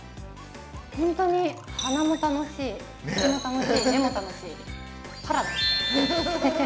本当に鼻も楽しい、口も楽しい、目も楽しい、パラダイスです。